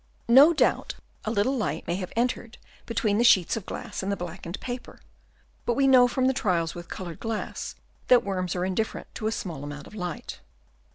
No doubt a little light may have entered between the sheets of glass and the blackened paper ; but we know from the trials with coloured glass, that worms are indifferent to a small amount of light.